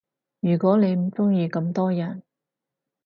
如果你唔鐘意咁多人